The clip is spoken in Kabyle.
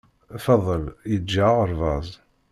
Faḍel yeǧǧa aɣerbaz